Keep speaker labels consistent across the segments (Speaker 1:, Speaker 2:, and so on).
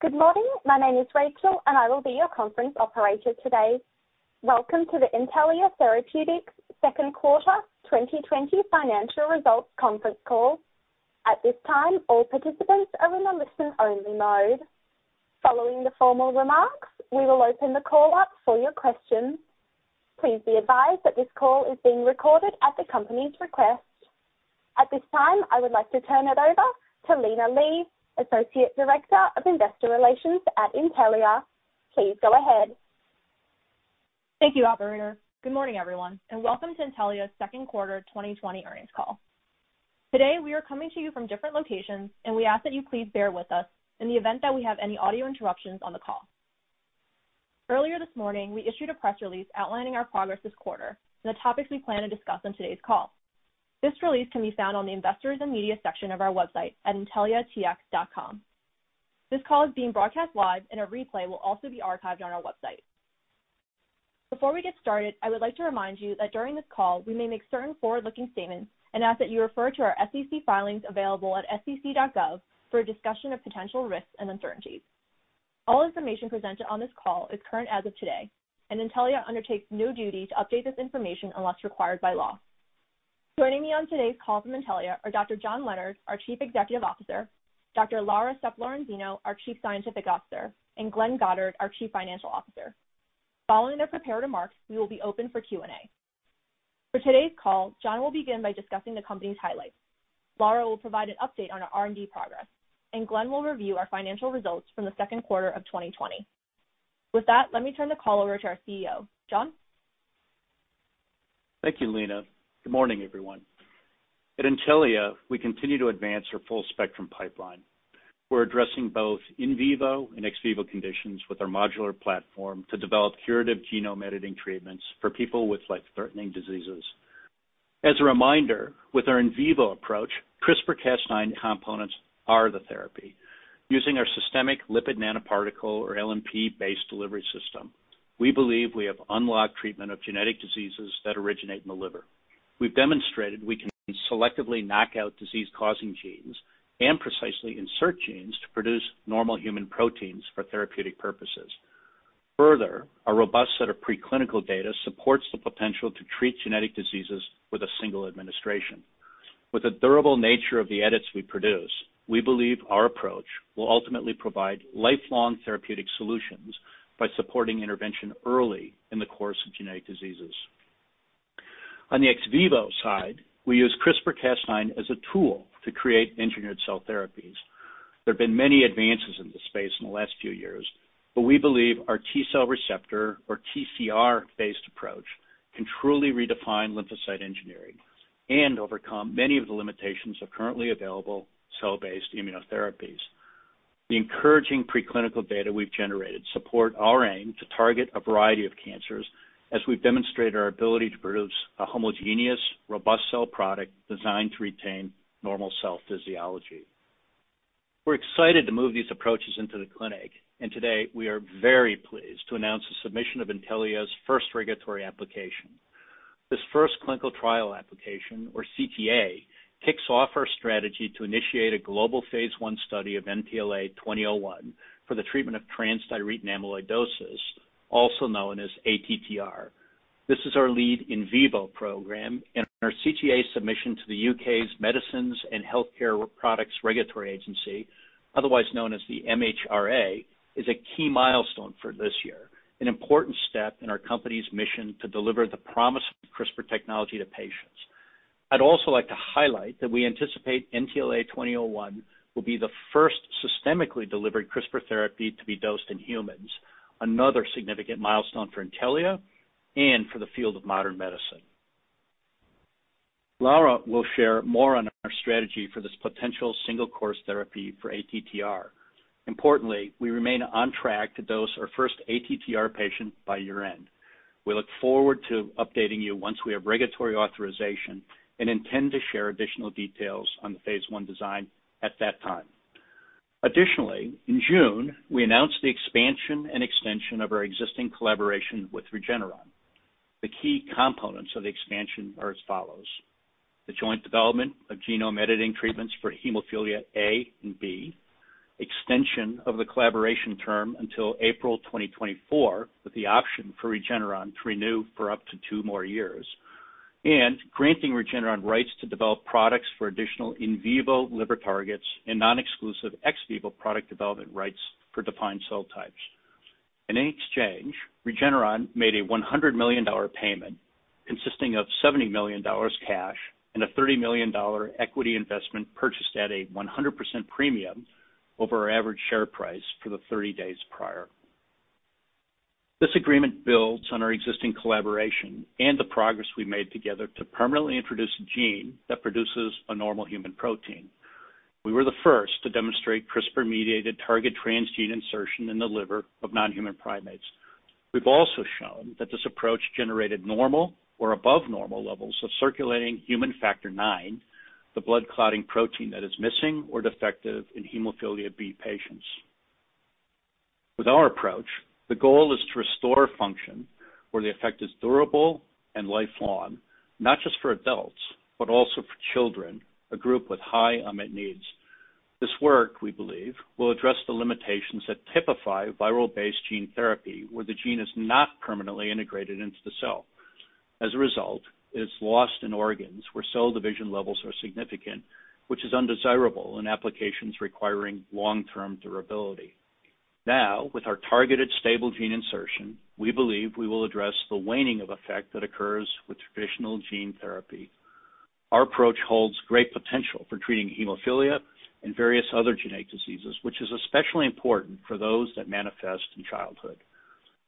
Speaker 1: Good morning. My name is Rachel, and I will be your conference operator today. Welcome to the Intellia Therapeutics second quarter 2020 financial results conference call. At this time, all participants are in a listen-only mode. Following the formal remarks, we will open the call up for your questions. Please be advised that this call is being recorded at the company's request. At this time, I would like to turn it over to Lina Li, Associate Director of Investor Relations at Intellia. Please go ahead.
Speaker 2: Thank you, operator. Good morning, everyone, and welcome to Intellia's second quarter 2020 earnings call. Today, we are coming to you from different locations, and we ask that you please bear with us in the event that we have any audio interruptions on the call. Earlier this morning, we issued a press release outlining our progress this quarter and the topics we plan to discuss on today's call. This release can be found on the Investors and Media section of our website at intelliatx.com. This call is being broadcast live, and a replay will also be archived on our website. Before we get started, I would like to remind you that during this call, we may make certain forward-looking statements and ask that you refer to our SEC filings available at sec.gov for a discussion of potential risks and uncertainties. All information presented on this call is current as of today, and Intellia undertakes no duty to update this information unless required by law. Joining me on today's call from Intellia are Dr. John Leonard, our Chief Executive Officer, Dr. Laura Sepp-Lorenzino, our Chief Scientific Officer, and Glenn Goddard, our Chief Financial Officer. Following their prepared remarks, we will be open for Q&A. For today's call, John will begin by discussing the company's highlights. Laura will provide an update on our R&D progress, and Glenn will review our financial results from the second quarter of 2020. With that, let me turn the call over to our CEO. John?
Speaker 3: Thank you, Lina. Good morning, everyone. At Intellia, we continue to advance our full spectrum pipeline. We're addressing both in vivo and ex vivo conditions with our modular platform to develop curative genome editing treatments for people with life-threatening diseases. As a reminder, with our in vivo approach, CRISPR-Cas9 components are the therapy. Using our systemic lipid nanoparticle or LNP-based delivery system, we believe we have unlocked treatment of genetic diseases that originate in the liver. We've demonstrated we can selectively knock out disease-causing genes and precisely insert genes to produce normal human proteins for therapeutic purposes. A robust set of preclinical data supports the potential to treat genetic diseases with a single administration. With the durable nature of the edits we produce, we believe our approach will ultimately provide lifelong therapeutic solutions by supporting intervention early in the course of genetic diseases. On the ex vivo side, we use CRISPR-Cas9 as a tool to create engineered cell therapies. There have been many advances in this space in the last few years, but we believe our T-cell receptor, or TCR-based approach, can truly redefine lymphocyte engineering and overcome many of the limitations of currently available cell-based immunotherapies. The encouraging preclinical data we've generated support our aim to target a variety of cancers as we've demonstrated our ability to produce a homogeneous, robust cell product designed to retain normal cell physiology. We're excited to move these approaches into the clinic, and today, we are very pleased to announce the submission of Intellia's first regulatory application. This first clinical trial application, or CTA, kicks off our strategy to initiate a global Phase I study of NTLA-2001 for the treatment of transthyretin amyloidosis, also known as ATTR. This is our lead in vivo program and our CTA submission to the U.K.'s Medicines and Healthcare products Regulatory Agency, otherwise known as the MHRA, is a key milestone for this year, an important step in our company's mission to deliver the promise of CRISPR technology to patients. I'd also like to highlight that we anticipate NTLA-2001 will be the first systemically delivered CRISPR therapy to be dosed in humans, another significant milestone for Intellia and for the field of modern medicine. Laura will share more on our strategy for this potential single-course therapy for ATTR. Importantly, we remain on track to dose our first ATTR patient by year-end. We look forward to updating you once we have regulatory authorization and intend to share additional details on the phase I design at that time. Additionally, in June, we announced the expansion and extension of our existing collaboration with Regeneron. The key components of the expansion are as follows. The joint development of genome editing treatments for hemophilia A and B, extension of the collaboration term until April 2024, with the option for Regeneron to renew for up to two more years, granting Regeneron rights to develop products for additional in vivo liver targets and non-exclusive ex vivo product development rights for defined cell types. In exchange, Regeneron made a $100 million payment consisting of $70 million cash and a $30 million equity investment purchased at a 100% premium over our average share price for the 30 days prior. This agreement builds on our existing collaboration and the progress we made together to permanently introduce a gene that produces a normal human protein. We were the first to demonstrate CRISPR-mediated target transgene insertion in the liver of non-human primates. We've also shown that this approach generated normal or above-normal levels of circulating human factor IX, the blood-clotting protein that is missing or defective in hemophilia B patients. With our approach, the goal is to restore function where the effect is durable and lifelong, not just for adults, but also for children, a group with high unmet needs. This work, we believe, will address the limitations that typify viral-based gene therapy, where the gene is not permanently integrated into the cell. As a result, it's lost in organs where cell division levels are significant, which is undesirable in applications requiring long-term durability. With our targeted stable gene insertion, we believe we will address the waning of effect that occurs with traditional gene therapy. Our approach holds great potential for treating hemophilia and various other genetic diseases, which is especially important for those that manifest in childhood.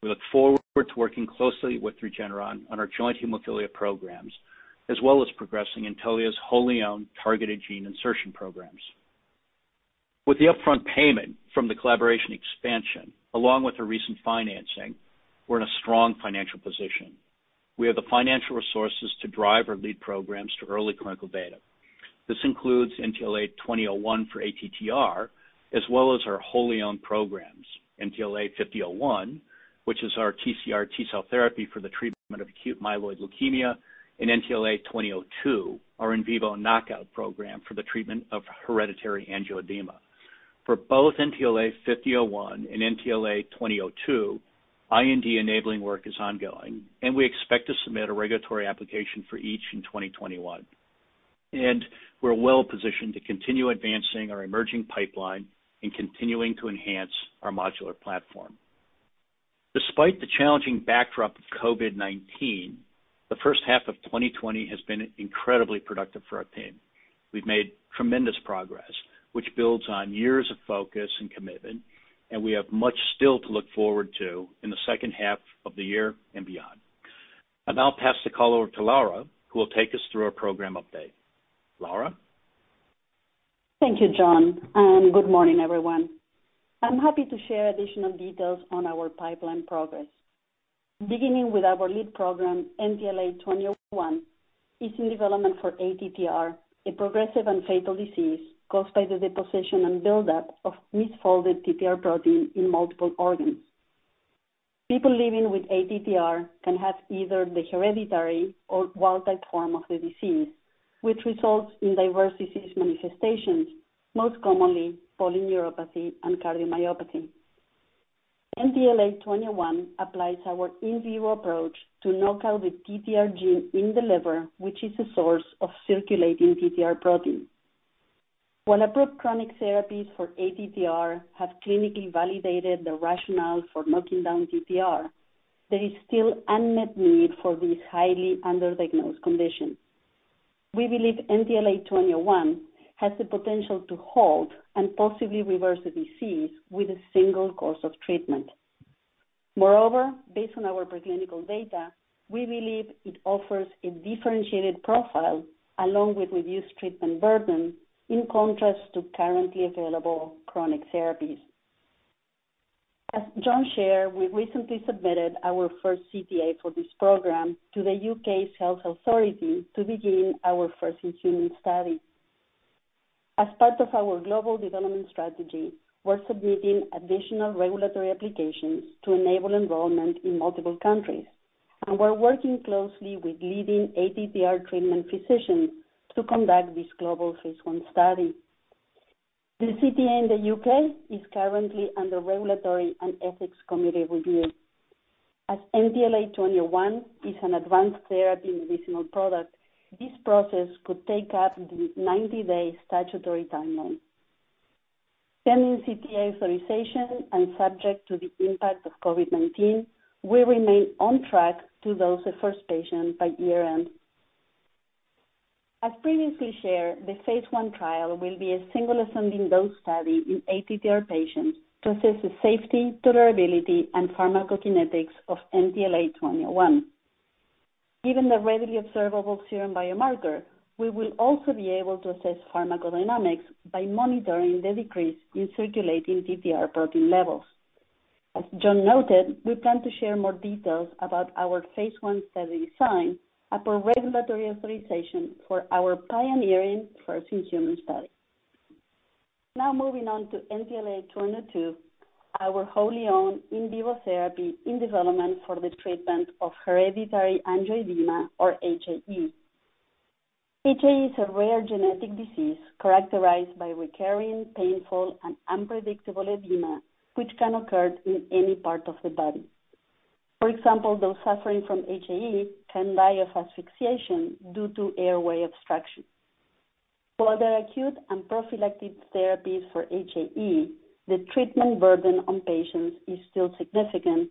Speaker 3: We look forward to working closely with Regeneron on our joint hemophilia programs, as well as progressing Intellia's wholly-owned targeted gene insertion programs. With the upfront payment from the collaboration expansion, along with the recent financing, we're in a strong financial position. We have the financial resources to drive our lead programs to early clinical data. This includes NTLA-2001 for ATTR, as well as our wholly-owned programs, NTLA-5001, which is our TCR T-cell therapy for the treatment of acute myeloid leukemia, and NTLA-2002, our in vivo knockout program for the treatment of hereditary angioedema. For both NTLA-5001 and NTLA-2002, IND enabling work is ongoing. We expect to submit a regulatory application for each in 2021. We're well-positioned to continue advancing our emerging pipeline and continuing to enhance our modular platform. Despite the challenging backdrop of COVID-19, the first half of 2020 has been incredibly productive for our team. We've made tremendous progress, which builds on years of focus and commitment, and we have much still to look forward to in the second half of the year and beyond. I'll now pass the call over to Laura, who will take us through our program update. Laura?
Speaker 4: Thank you, John, and good morning, everyone. I'm happy to share additional details on our pipeline progress. Beginning with our lead program, NTLA-2001, is in development for ATTR, a progressive and fatal disease caused by the deposition and build-up of misfolded TTR protein in multiple organs. People living with ATTR can have either the hereditary or wild-type form of the disease, which results in diverse disease manifestations, most commonly polyneuropathy and cardiomyopathy. NTLA-2001 applies our in vivo approach to knock out the TTR gene in the liver, which is the source of circulating TTR protein. Approved chronic therapies for ATTR have clinically validated the rationale for knocking down TTR, there is still unmet need for this highly under-diagnosed condition. We believe NTLA-2001 has the potential to halt and possibly reverse the disease with a single course of treatment. Moreover, based on our preclinical data, we believe it offers a differentiated profile along with reduced treatment burden, in contrast to currently available chronic therapies. As John shared, we recently submitted our first CTA for this program to the U.K.'s health authority to begin our first-in-human study. As part of our global development strategy, we're submitting additional regulatory applications to enable enrollment in multiple countries, and we're working closely with leading ATTR treatment physicians to conduct this global phase I study. The CTA in the U.K. is currently under regulatory and ethics committee review. As NTLA-2001 is an advanced therapy medicinal product, this process could take up the 90-day statutory timeline. Pending CTA authorization and subject to the impact of COVID-19, we remain on track to dose the first patient by year-end. As previously shared, the phase I trial will be a single ascending dose study in ATTR patients to assess the safety, tolerability, and pharmacokinetics of NTLA-2001. Given the readily observable serum biomarker, we will also be able to assess pharmacodynamics by monitoring the decrease in circulating TTR protein levels. As John noted, we plan to share more details about our phase I study design upon regulatory authorization for our pioneering first-in-human study. Moving on to NTLA-2002, our wholly-owned in vivo therapy in development for the treatment of hereditary angioedema, or HAE. HAE is a rare genetic disease characterized by recurring, painful, and unpredictable edema, which can occur in any part of the body. For example, those suffering from HAE can die of asphyxiation due to airway obstruction. For other acute and prophylactic therapies for HAE, the treatment burden on patients is still significant.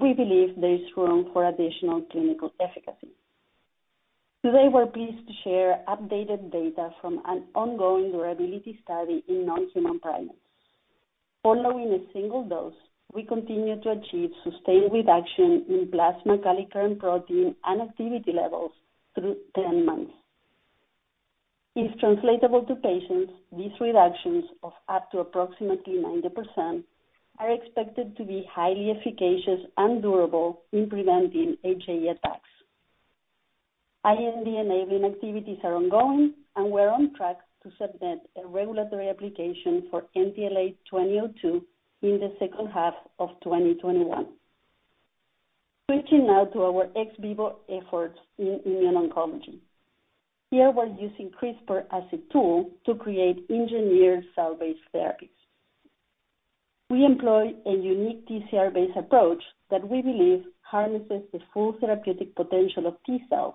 Speaker 4: We believe there is room for additional clinical efficacy. Today, we're pleased to share updated data from an ongoing durability study in non-human primates. Following a single dose, we continue to achieve sustained reduction in plasma kallikrein protein and activity levels through 10 months. If translatable to patients, these reductions of up to approximately 90% are expected to be highly efficacious and durable in preventing HAE attacks. IND-enabling activities are ongoing. We're on track to submit a regulatory application for NTLA-2002 in the second half of 2021. Switching now to our ex vivo efforts in immune oncology. Here we're using CRISPR as a tool to create engineered cell-based therapies. We employ a unique TCR-based approach that we believe harnesses the full therapeutic potential of T cells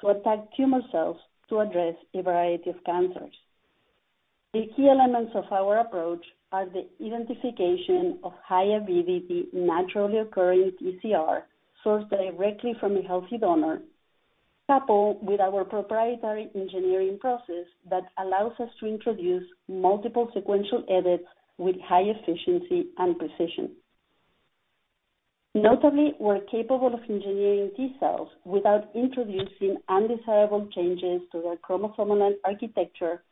Speaker 4: to attack tumor cells to address a variety of cancers. The key elements of our approach are the identification of high-avidity, naturally occurring TCR sourced directly from a healthy donor, coupled with our proprietary engineering process that allows us to introduce multiple sequential edits with high efficiency and precision. Notably, we're capable of engineering T cells without introducing undesirable changes to their chromosomal architecture,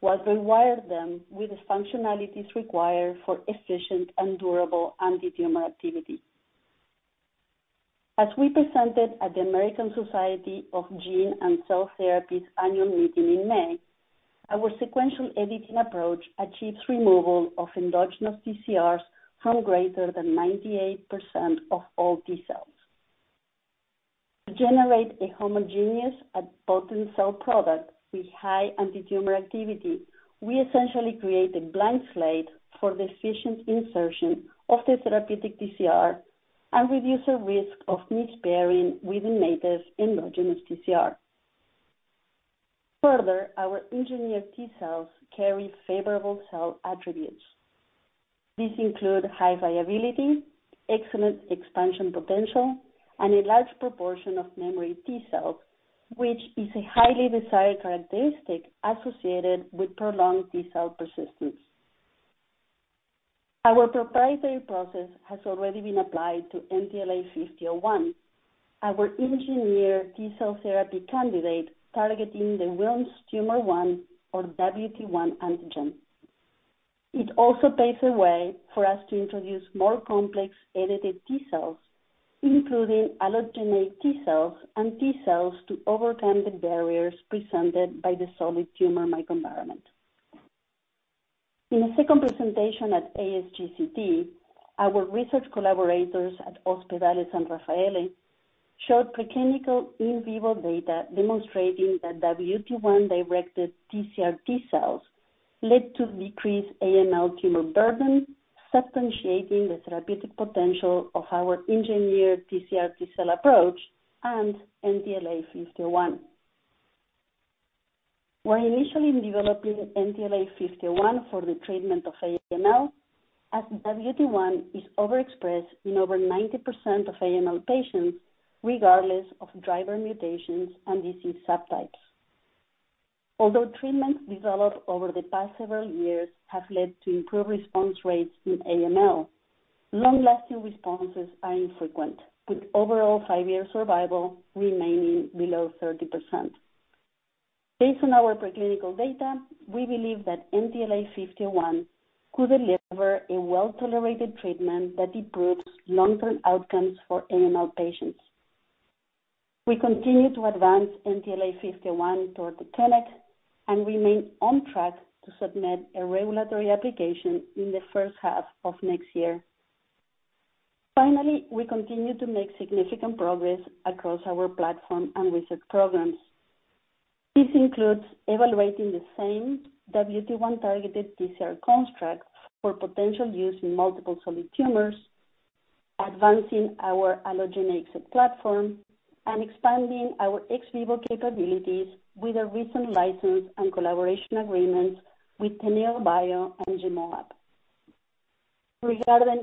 Speaker 4: while we wire them with the functionalities required for efficient and durable antitumor activity. As we presented at the American Society of Gene & Cell Therapy's annual meeting in May, our sequential editing approach achieves removal of endogenous TCRs from greater than 98% of all T cells. To generate a homogeneous and potent cell product with high antitumor activity, we essentially create a blank slate for the efficient insertion of the therapeutic TCR and reduce the risk of mispairing with the native endogenous TCR. Further, our engineered T cells carry favorable cell attributes. These include high viability, excellent expansion potential, and a large proportion of memory T cells, which is a highly desired characteristic associated with prolonged T cell persistence. Our proprietary process has already been applied to NTLA-5001, our engineered T cell therapy candidate targeting the Wilms' tumor 1 or WT1 antigen. It also paves a way for us to introduce more complex edited T cells, including allogeneic T cells and T cells to overcome the barriers presented by the solid tumor microenvironment. In a second presentation at ASGCT, our research collaborators at Ospedale San Raffaele showed preclinical in vivo data demonstrating that WT1-directed TCR-T cells led to decreased AML tumor burden, substantiating the therapeutic potential of our engineered TCR-T cell approach and NTLA-5001. We're initially developing NTLA-5001 for the treatment of AML, as WT1 is overexpressed in over 90% of AML patients, regardless of driver mutations and disease subtypes. Although treatments developed over the past several years have led to improved response rates in AML, long-lasting responses are infrequent, with overall five-year survival remaining below 30%. Based on our preclinical data, we believe that NTLA-5001 could deliver a well-tolerated treatment that improves long-term outcomes for AML patients. We continue to advance NTLA-5001 toward the clinic and remain on track to submit a regulatory application in the first half of next year. Finally, we continue to make significant progress across our platform and research programs. This includes evaluating the same WT1-targeted TCR construct for potential use in multiple solid tumors, advancing our allogeneic platform, and expanding our ex vivo capabilities with a recent license and collaboration agreements with Teneobio and GEMoaB. Regarding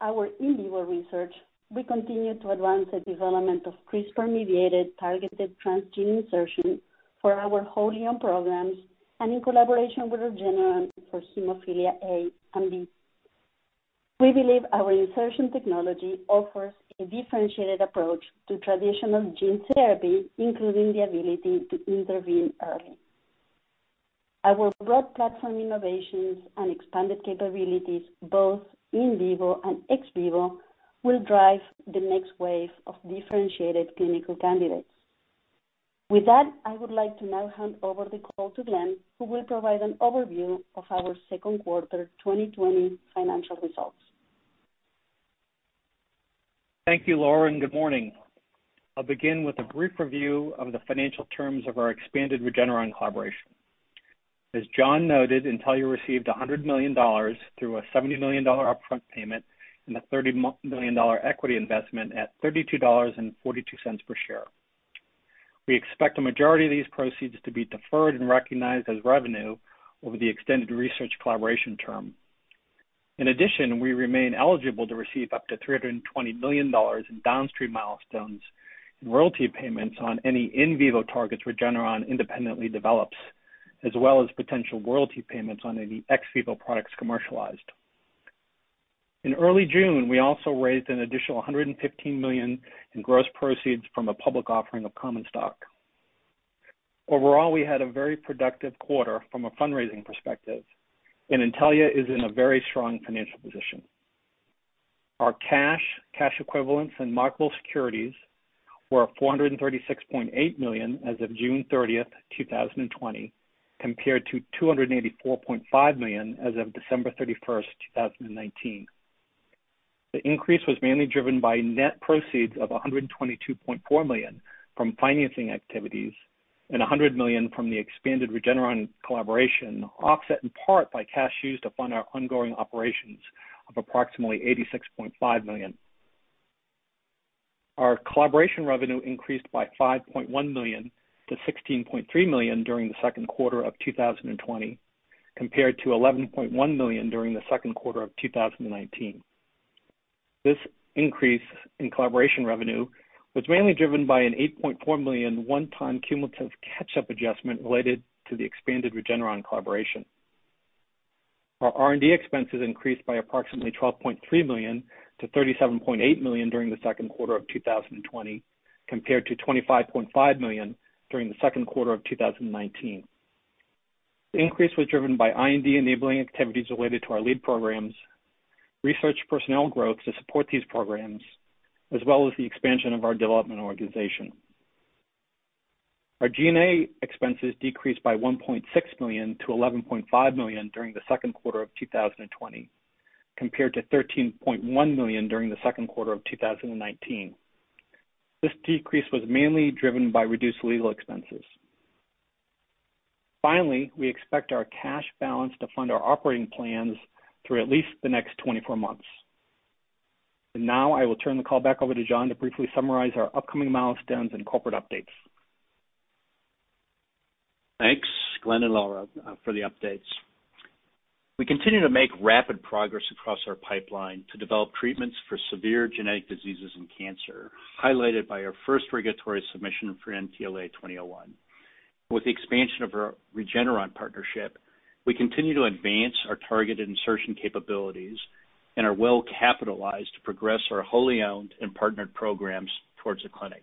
Speaker 4: our in vivo research, we continue to advance the development of CRISPR-mediated targeted transgene insertion for our wholly-owned programs and in collaboration with Regeneron for hemophilia A and B. We believe our insertion technology offers a differentiated approach to traditional gene therapy, including the ability to intervene early. Our broad platform innovations and expanded capabilities, both in vivo and ex vivo, will drive the next wave of differentiated clinical candidates. With that, I would like to now hand over the call to Glenn, who will provide an overview of our second quarter 2020 financial results.
Speaker 5: Thank you, Laura, good morning. I'll begin with a brief review of the financial terms of our expanded Regeneron collaboration. As John noted, Intellia received $100 million through a $70 million upfront payment and a $30 million equity investment at $32.42 per share. We expect a majority of these proceeds to be deferred and recognized as revenue over the extended research collaboration term. In addition, we remain eligible to receive up to $320 million in downstream milestones and royalty payments on any in vivo targets Regeneron independently develops, as well as potential royalty payments on any ex vivo products commercialized. In early June, we also raised an additional $115 million in gross proceeds from a public offering of common stock. Overall, we had a very productive quarter from a fundraising perspective, and Intellia is in a very strong financial position. Our cash equivalents and marketable securities were $436.8 million as of June 30th, 2020, compared to $284.5 million as of December 31st, 2019. The increase was mainly driven by net proceeds of $122.4 million from financing activities and $100 million from the expanded Regeneron collaboration, offset in part by cash used to fund our ongoing operations of approximately $86.5 million. Our collaboration revenue increased by $5.1 million-$16.3 million during the second quarter of 2020, compared to $11.1 million during the second quarter of 2019. This increase in collaboration revenue was mainly driven by an $8.4 million one-time cumulative catch-up adjustment related to the expanded Regeneron collaboration. Our R&D expenses increased by approximately $12.3 million to $37.8 million during the second quarter of 2020, compared to $25.5 million during the second quarter of 2019. The increase was driven by IND-enabling activities related to our lead programs, research personnel growth to support these programs, as well as the expansion of our development organization. Our G&A expenses decreased by $1.6 million-$11.5 million during the second quarter of 2020, compared to $13.1 million during the second quarter of 2019. This decrease was mainly driven by reduced legal expenses. Finally, we expect our cash balance to fund our operating plans through at least the next 24 months. Now I will turn the call back over to John to briefly summarize our upcoming milestones and corporate updates.
Speaker 3: Thanks, Glenn and Laura, for the updates. We continue to make rapid progress across our pipeline to develop treatments for severe genetic diseases and cancer, highlighted by our first regulatory submission for NTLA-2001. With the expansion of our Regeneron partnership, we continue to advance our targeted insertion capabilities and are well capitalized to progress our wholly-owned and partnered programs towards the clinic.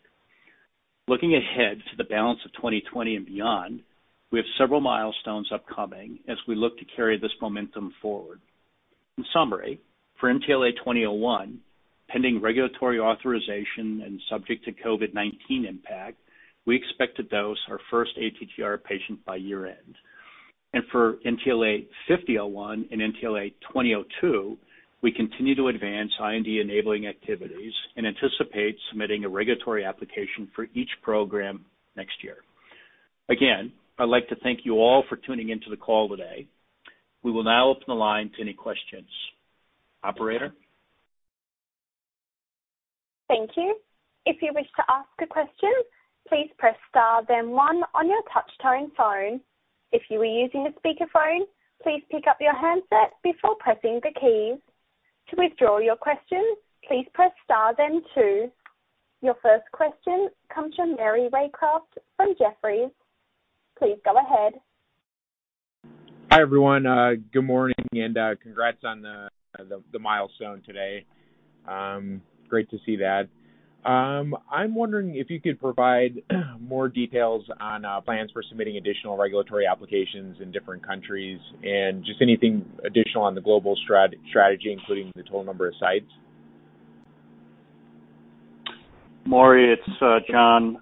Speaker 3: Looking ahead to the balance of 2020 and beyond, we have several milestones upcoming as we look to carry this momentum forward. In summary, for NTLA-2001, pending regulatory authorization and subject to COVID-19 impact, we expect to dose our first ATTR patient by year-end. For NTLA-5001 and NTLA-2002, we continue to advance IND-enabling activities and anticipate submitting a regulatory application for each program next year. Again, I'd like to thank you all for tuning into the call today. We will now open the line to any questions. Operator?
Speaker 1: Your first question comes from Maury Raycroft from Jefferies. Please go ahead.
Speaker 6: Hi, everyone. Good morning and congrats on the milestone today. Great to see that. I'm wondering if you could provide more details on plans for submitting additional regulatory applications in different countries, and just anything additional on the global strategy, including the total number of sites.
Speaker 3: Maury, it's John.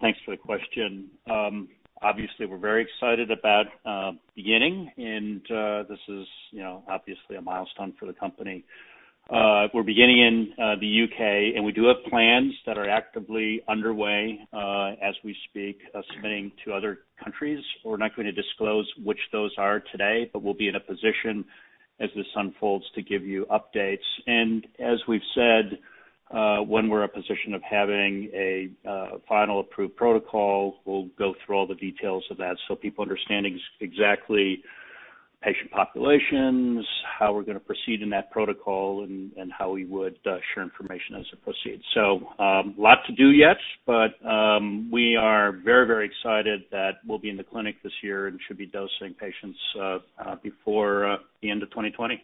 Speaker 3: Thanks for the question. Obviously, we're very excited about beginning, and this is obviously a milestone for the company. We're beginning in the U.K., and we do have plans that are actively underway, as we speak, submitting to other countries. We're not going to disclose which those are today, but we'll be in a position as this unfolds to give you updates. As we've said, when we're in a position of having a final approved protocol, we'll go through all the details of that so people understand exactly patient populations, how we're going to proceed in that protocol and how we would share information as it proceeds. Lots to do yet, but we are very excited that we'll be in the clinic this year and should be dosing patients before the end of 2020.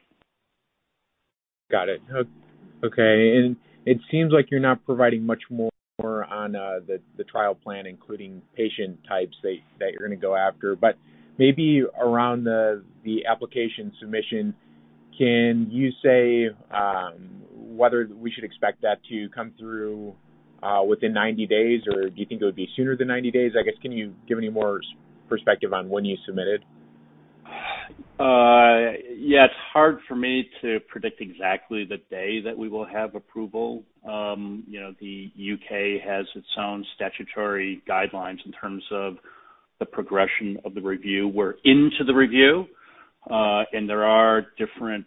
Speaker 6: Got it. Okay. It seems like you're not providing much more on the trial plan, including patient types that you're going to go after. Maybe around the application submission, can you say whether we should expect that to come through within 90 days, or do you think it would be sooner than 90 days? I guess, can you give any more perspective on when you submit it?
Speaker 3: It's hard for me to predict exactly the day that we will have approval. The U.K. has its own statutory guidelines in terms of the progression of the review. We're into the review. There are different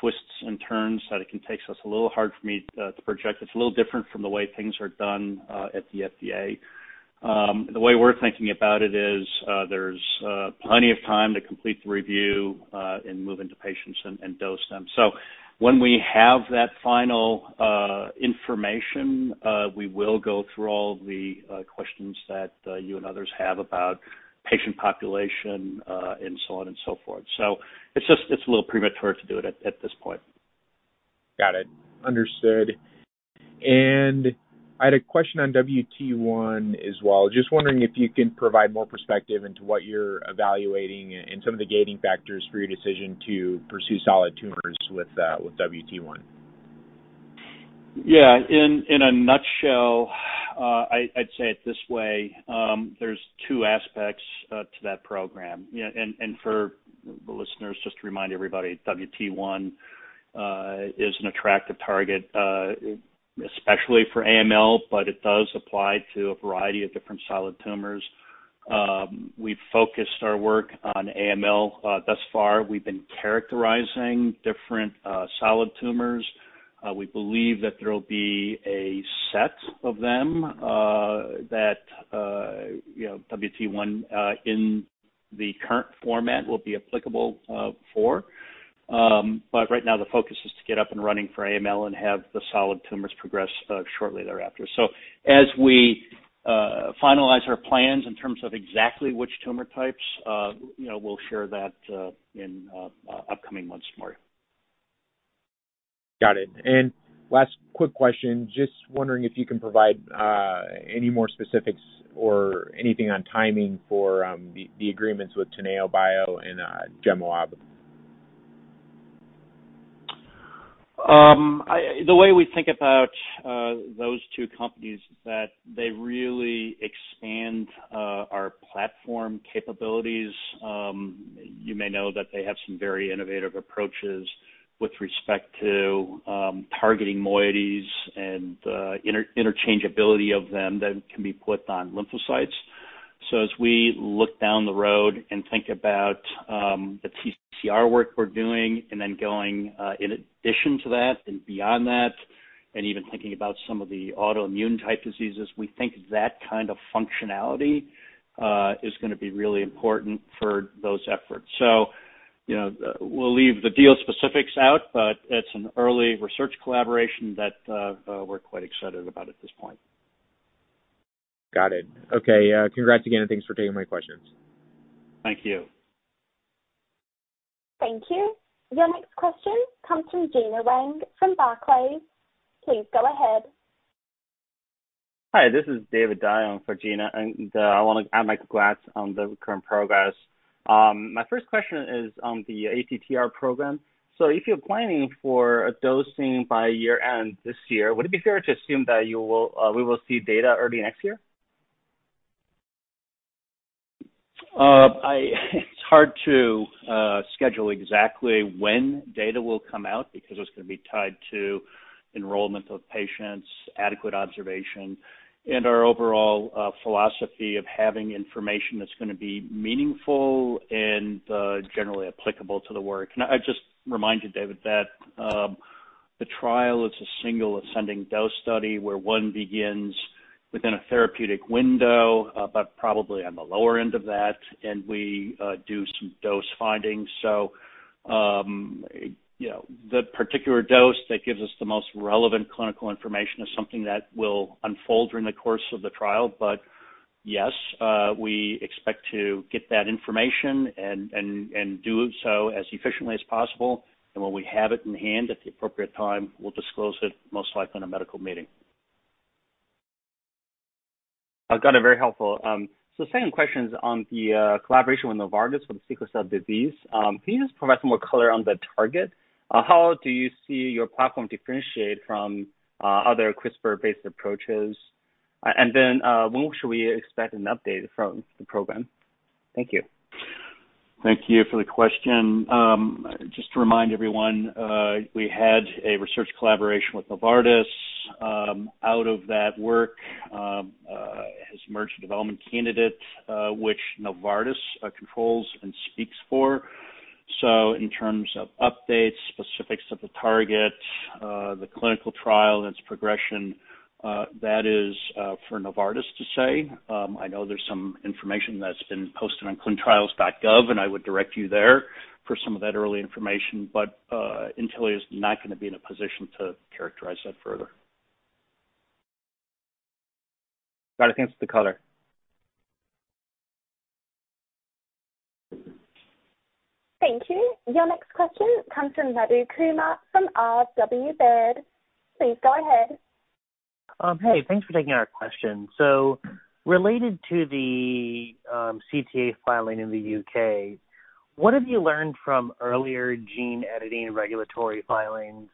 Speaker 3: twists and turns that it can take. It's a little hard for me to project. It's a little different from the way things are done at the FDA. The way we're thinking about it is there's plenty of time to complete the review and move into patients and dose them. When we have that final information, we will go through all the questions that you and others have about patient population and so on and so forth. It's a little premature to do it at this point.
Speaker 6: Got it. Understood. I had a question on WT1 as well. Just wondering if you can provide more perspective into what you're evaluating and some of the gating factors for your decision to pursue solid tumors with WT1.
Speaker 3: Yeah. In a nutshell, I'd say it this way. There's two aspects to that program. For the listeners, just to remind everybody, WT1 is an attractive target, especially for AML, but it does apply to a variety of different solid tumors. We've focused our work on AML thus far. We've been characterizing different solid tumors. We believe that there'll be a set of them that WT1, in the current format, will be applicable for. Right now the focus is to get up and running for AML and have the solid tumors progress shortly thereafter. As we finalize our plans in terms of exactly which tumor types, we'll share that in upcoming months, Maury.
Speaker 6: Got it. Last quick question, just wondering if you can provide any more specifics or anything on timing for the agreements with Teneobio and GEMoaB.
Speaker 3: The way we think about those two companies is that they really expand our platform capabilities. You may know that they have some very innovative approaches with respect to targeting moieties and the interchangeability of them that can be put on lymphocytes. As we look down the road and think about the TCR work we're doing, and then going in addition to that and beyond that, and even thinking about some of the autoimmune type diseases, we think that kind of functionality is going to be really important for those efforts. We'll leave the deal specifics out, but it's an early research collaboration that we're quite excited about at this point.
Speaker 6: Got it. Okay. Congrats again, and thanks for taking my questions.
Speaker 3: Thank you.
Speaker 1: Thank you. Your next question comes from Gena Wang from Barclays. Please go ahead.
Speaker 7: Hi, this is David Dai on for Gena. I want to add my congrats on the current progress. My first question is on the ATTR program. If you're planning for a dosing by year-end this year, would it be fair to assume that we will see data early next year?
Speaker 3: It's hard to schedule exactly when data will come out because it's going to be tied to enrollment of patients, adequate observation, and our overall philosophy of having information that's going to be meaningful and generally applicable to the work. I'd just remind you, David, that the trial is a single ascending dose study where one begins within a therapeutic window, but probably on the lower end of that, and we do some dose finding. The particular dose that gives us the most relevant clinical information is something that will unfold during the course of the trial. Yes, we expect to get that information and do so as efficiently as possible. When we have it in hand at the appropriate time, we'll disclose it, most likely in a medical meeting.
Speaker 7: Got it. Very helpful. Second question is on the collaboration with Novartis for the sickle cell disease. Can you just provide some more color on the target? How do you see your platform differentiate from other CRISPR-based approaches? When should we expect an update from the program? Thank you.
Speaker 3: Thank you for the question. Just to remind everyone, we had a research collaboration with Novartis. Out of that work has emerged a development candidate, which Novartis controls and speaks for. In terms of updates, specifics of the target, the clinical trial, and its progression, that is for Novartis to say. I know there's some information that's been posted on ClinicalTrials.gov, and I would direct you there for some of that early information. Intellia is not going to be in a position to characterize that further.
Speaker 7: Got it. Thanks for the color.
Speaker 1: Thank you. Your next question comes from Madhu Kumar from R.W. Baird. Please go ahead.
Speaker 8: Hey, thanks for taking our question. Related to the CTA filing in the U.K., what have you learned from earlier gene editing regulatory filings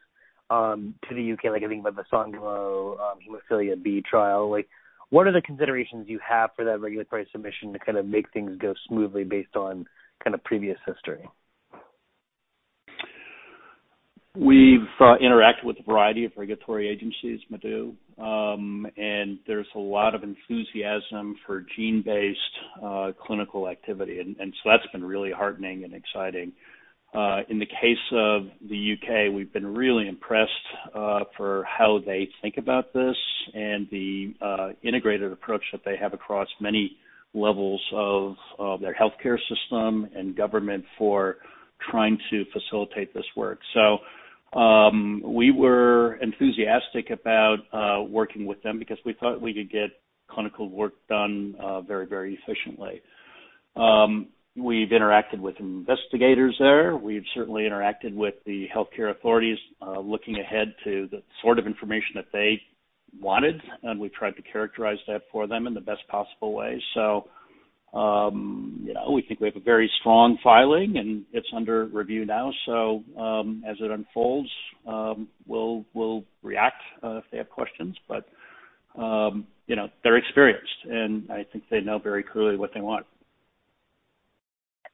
Speaker 8: to the U.K., like I think with the Sangamo hemophilia B trial? What are the considerations you have for that regulatory submission to kind of make things go smoothly based on previous history?
Speaker 3: We've interacted with a variety of regulatory agencies, Madhu. There's a lot of enthusiasm for gene-based clinical activity. That's been really heartening and exciting. In the case of the U.K., we've been really impressed for how they think about this and the integrated approach that they have across many levels of their healthcare system and government for trying to facilitate this work. We were enthusiastic about working with them because we thought we could get clinical work done very, very efficiently. We've interacted with investigators there. We've certainly interacted with the healthcare authorities, looking ahead to the sort of information that they wanted. We've tried to characterize that for them in the best possible way. We think we have a very strong filing. It's under review now. As it unfolds, we'll react if they have questions. They're experienced, and I think they know very clearly what they want.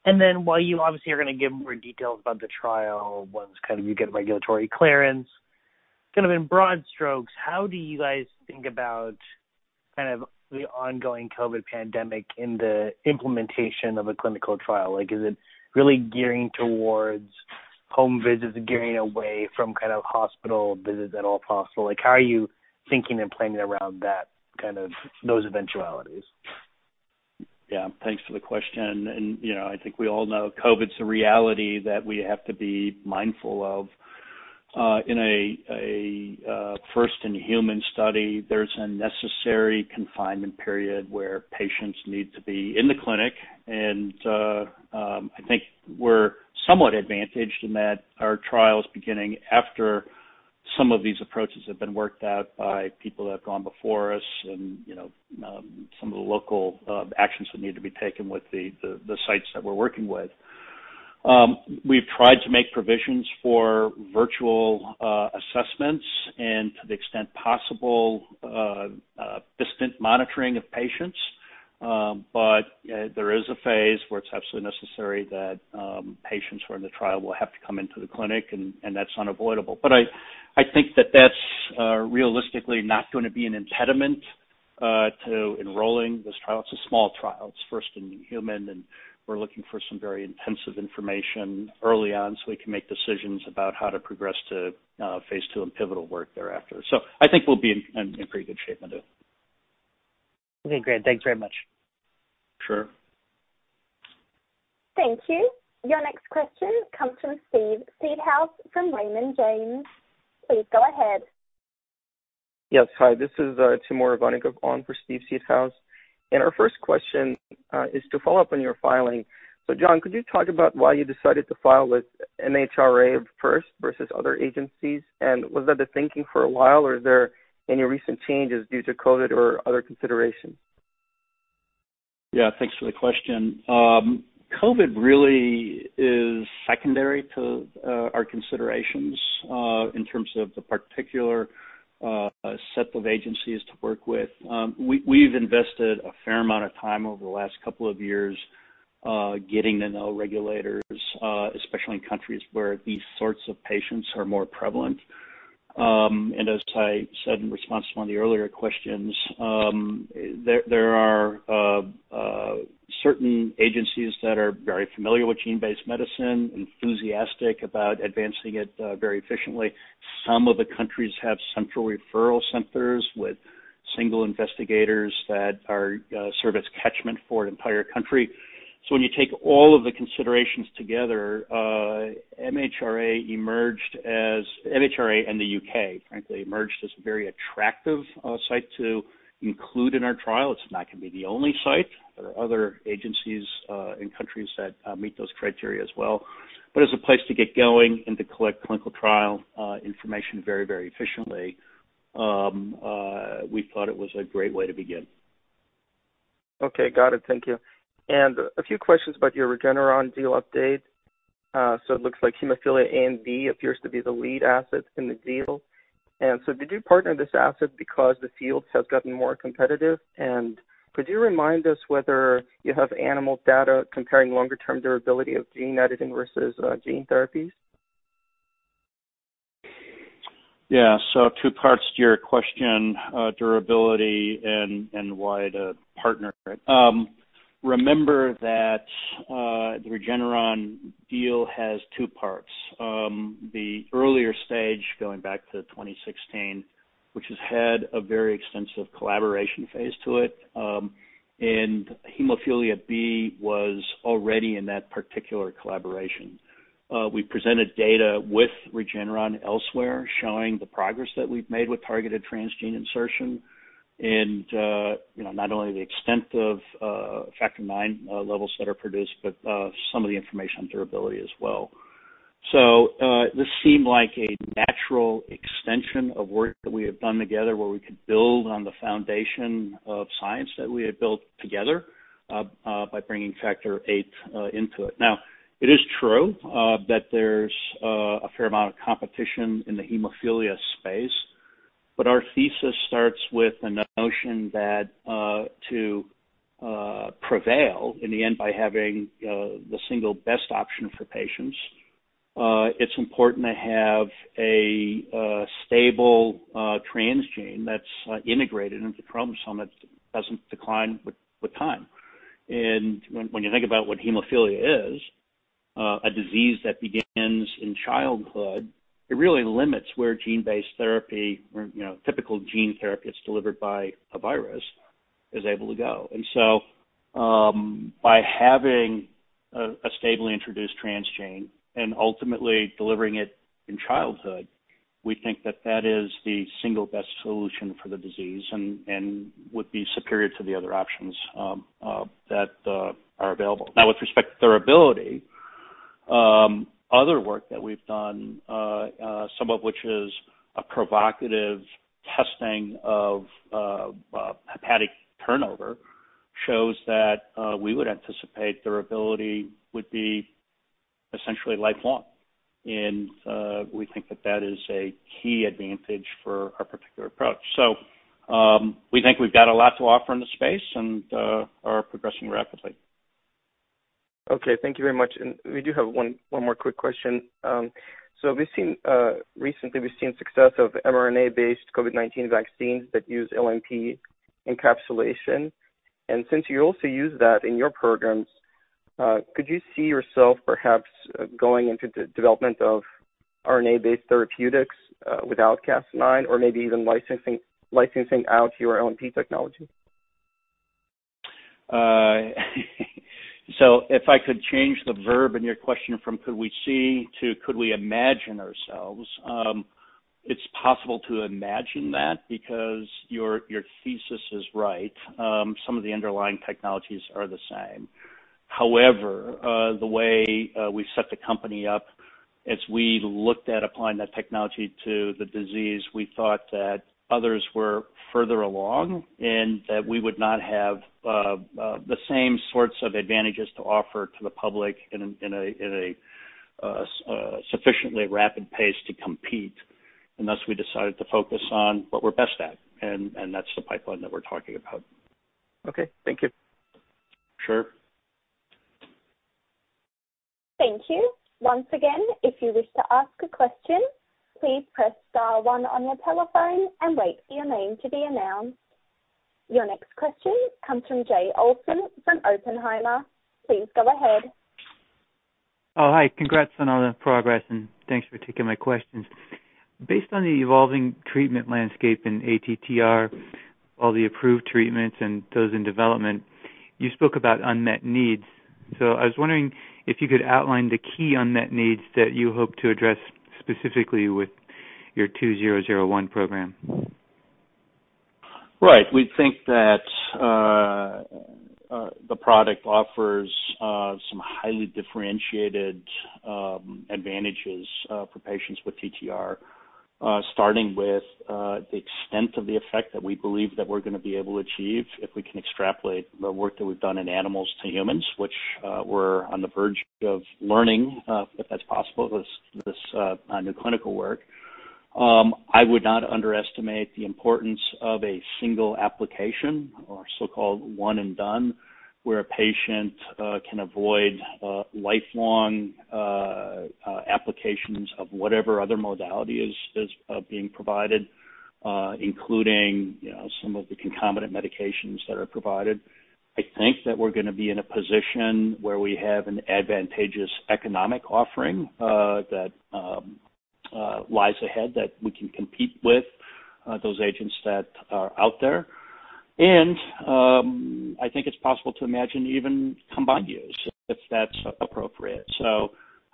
Speaker 8: While you obviously are going to give more details about the trial once you get regulatory clearance, in broad strokes, how do you guys think about the ongoing COVID pandemic in the implementation of a clinical trial? Is it really gearing towards home visits and gearing away from hospital visits at all possible? How are you thinking and planning around those eventualities?
Speaker 3: Yeah. Thanks for the question. I think we all know COVID's a reality that we have to be mindful of. In a first-in-human study, there's a necessary confinement period where patients need to be in the clinic. I think we're somewhat advantaged in that our trial's beginning after some of these approaches have been worked out by people that have gone before us and, some of the local actions that need to be taken with the sites that we're working with. We've tried to make provisions for virtual assessments and to the extent possible, distant monitoring of patients. There is a phase where it's absolutely necessary that patients who are in the trial will have to come into the clinic, and that's unavoidable. I think that that's realistically not going to be an impediment to enrolling this trial. It's a small trial. It's first in human, and we're looking for some very intensive information early on so we can make decisions about how to progress to phase II and pivotal work thereafter. I think we'll be in pretty good shape, Madhu.
Speaker 8: Okay, great. Thanks very much.
Speaker 3: Sure.
Speaker 1: Thank you. Your next question comes from Steve Seedhouse from Raymond James. Please go ahead.
Speaker 9: Yes, hi. This is Timur Ivannikov on for Steve Seedhouse. Our first question is to follow up on your filing. John, could you talk about why you decided to file with MHRA first versus other agencies? Was that the thinking for a while, or is there any recent changes due to COVID or other considerations?
Speaker 3: Yeah, thanks for the question. COVID really is secondary to our considerations, in terms of the particular set of agencies to work with. We've invested a fair amount of time over the last couple of years, getting to know regulators, especially in countries where these sorts of patients are more prevalent. As I said in response to one of the earlier questions, there are certain agencies that are very familiar with gene-based medicine, enthusiastic about advancing it very efficiently. Some of the countries have central referral centers with single investigators that serve as catchment for an entire country. When you take all of the considerations together, MHRA and the U.K., frankly, emerged as a very attractive site to include in our trial. It's not going to be the only site. There are other agencies in countries that meet those criteria as well. As a place to get going and to collect clinical trial information very efficiently, we thought it was a great way to begin.
Speaker 9: Okay. Got it. Thank you. A few questions about your Regeneron deal update. It looks like hemophilia A and B appears to be the lead asset in the deal. Did you partner this asset because the fields have gotten more competitive? Could you remind us whether you have animal data comparing longer-term durability of gene editing versus gene therapies?
Speaker 3: Yeah. Two parts to your question, durability and why to partner. Remember that the Regeneron deal has two parts. The earlier stage, going back to 2016, which has had a very extensive collaboration phase to it. Hemophilia B was already in that particular collaboration. We presented data with Regeneron elsewhere showing the progress that we've made with targeted transgene insertion and, not only the extent of factor IX levels that are produced, but some of the information on durability as well. This seemed like a natural extension of work that we had done together, where we could build on the foundation of science that we had built together, by bringing factor VIII into it. It is true that there's a fair amount of competition in the hemophilia space, but our thesis starts with the notion that, to prevail in the end by having the single best option for patients, it's important to have a stable transgene that's integrated into the chromosome that doesn't decline with time. When you think about what hemophilia is, a disease that begins in childhood, it really limits where gene-based therapy or, typical gene therapy that's delivered by a virus is able to go. By having a stably introduced transgene and ultimately delivering it in childhood. We think that that is the single best solution for the disease and would be superior to the other options that are available. Now with respect to durability, other work that we've done, some of which is a provocative testing of hepatic turnover, shows that we would anticipate durability would be essentially lifelong. We think that that is a key advantage for our particular approach. We think we've got a lot to offer in the space and are progressing rapidly.
Speaker 9: Okay, thank you very much. We do have one more quick question. Recently, we've seen success of mRNA-based COVID-19 vaccines that use LNP encapsulation, and since you also use that in your programs, could you see yourself perhaps going into the development of RNA-based therapeutics, without Cas9 or maybe even licensing out your LNP technology?
Speaker 3: If I could change the verb in your question from could we see to could we imagine ourselves, it's possible to imagine that because your thesis is right. Some of the underlying technologies are the same. However, the way we set the company up, as we looked at applying that technology to the disease, we thought that others were further along and that we would not have the same sorts of advantages to offer to the public in a sufficiently rapid pace to compete. Thus, we decided to focus on what we're best at, and that's the pipeline that we're talking about.
Speaker 9: Okay. Thank you.
Speaker 3: Sure.
Speaker 1: Your next question comes from Jay Olson from Oppenheimer. Please go ahead.
Speaker 10: Hi. Congrats on all the progress, thanks for taking my questions. Based on the evolving treatment landscape in ATTR, all the approved treatments and those in development, you spoke about unmet needs. I was wondering if you could outline the key unmet needs that you hope to address specifically with your 2-0-0-1 program.
Speaker 3: Right. We think that the product offers some highly differentiated advantages for patients with ATTR, starting with the extent of the effect that we believe that we're going to be able to achieve if we can extrapolate the work that we've done in animals to humans, which we're on the verge of learning if that's possible, this new clinical work. I would not underestimate the importance of a single application or so-called one and done, where a patient can avoid lifelong applications of whatever other modality is being provided, including some of the concomitant medications that are provided. I think that we're gonna be in a position where we have an advantageous economic offering that lies ahead that we can compete with those agents that are out there. I think it's possible to imagine even combined use, if that's appropriate.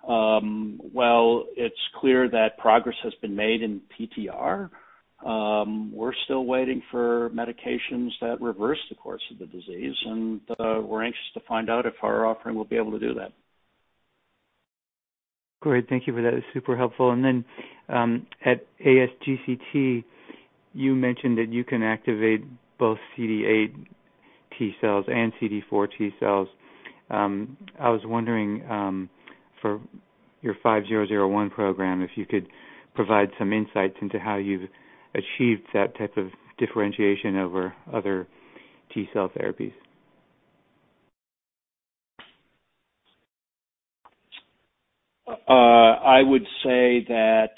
Speaker 3: While it's clear that progress has been made in ATTR, we're still waiting for medications that reverse the course of the disease, and we're anxious to find out if our offering will be able to do that.
Speaker 10: Great. Thank you for that. It was super helpful. At ASGCT, you mentioned that you can activate both CD8 T cells and CD4 T cells. I was wondering, for your NTLA-5001 program, if you could provide some insights into how you've achieved that type of differentiation over other T cell therapies.
Speaker 3: I would say that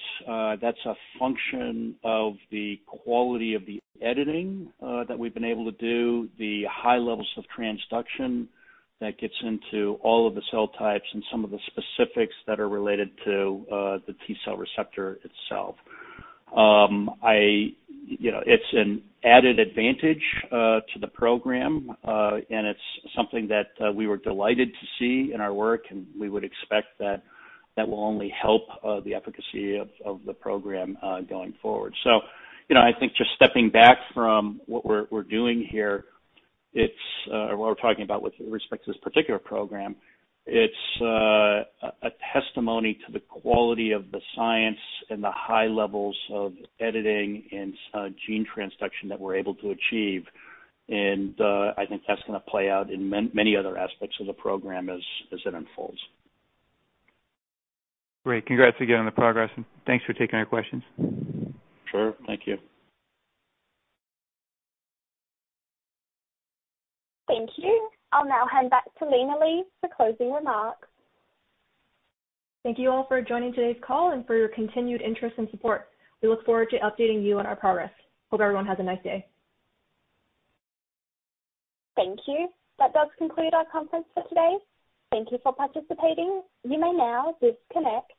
Speaker 3: that's a function of the quality of the editing that we've been able to do, the high levels of transduction that gets into all of the cell types, and some of the specifics that are related to the T cell receptor itself. It's an added advantage to the program. It's something that we were delighted to see in our work. We would expect that that will only help the efficacy of the program going forward. I think just stepping back from what we're doing here, what we're talking about with respect to this particular program, it's a testimony to the quality of the science and the high levels of editing and gene transduction that we're able to achieve. I think that's gonna play out in many other aspects of the program as it unfolds.
Speaker 10: Great. Congrats again on the progress, and thanks for taking our questions.
Speaker 3: Sure. Thank you.
Speaker 1: Thank you. I'll now hand back to Lina Li for closing remarks.
Speaker 2: Thank you all for joining today's call and for your continued interest and support. We look forward to updating you on our progress. Hope everyone has a nice day.
Speaker 1: Thank you. That does conclude our conference for today. Thank you for participating. You may now disconnect.